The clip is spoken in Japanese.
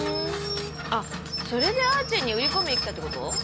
あっそれであーちんに売り込みに来たってこと？